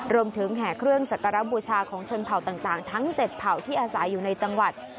แห่เครื่องสักการะบูชาของชนเผ่าต่างทั้ง๗เผ่าที่อาศัยอยู่ในจังหวัด